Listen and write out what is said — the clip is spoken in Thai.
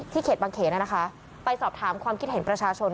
เขตบางเขนไปสอบถามความคิดเห็นประชาชน